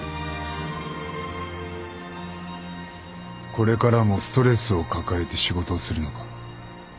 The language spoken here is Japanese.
これからもストレスを抱えて仕事をするのか？